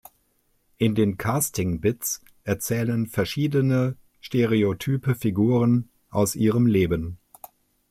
In den Casting-Bits erzählen verschiedene stereotype Figuren aus ihrem Leben.